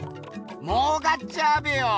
もうかっちゃうべよ。